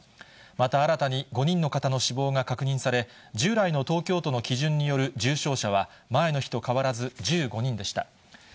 また、新たに５人の方の死亡が確認され、従来の東京都の基準による重症者は、前の日と変わらず１５人でした。